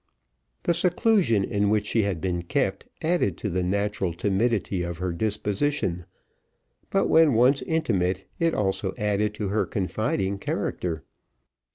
The seclusion in which she had been kept added to the natural timidity of her disposition but when once intimate, it also added to her confiding character.